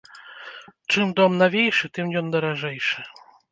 Чым дом навейшы, тым ён даражэйшы.